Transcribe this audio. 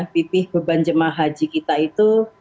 bipih beban jama'ah haji kita itu